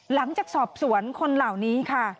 หลังจากสอบสวนคนเหล่านี้ค่ะ